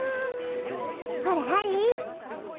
ほらハリー。